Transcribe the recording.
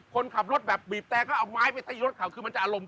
คนขับรถแบบบีบแต๊ะก็เอาไม้บริสัยรถเข่ามันจะเอารม